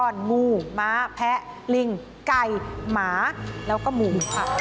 งูม้าแพะลิงไก่หมาแล้วก็งูค่ะ